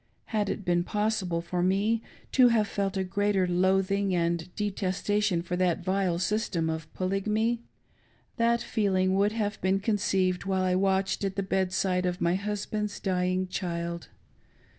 Had it been possible for^i^me to have felt a greater loathing and detestation for; that vile, system of Polygamy, that feeling would have been conceived while I watched at the bed side of my husband's dying. child.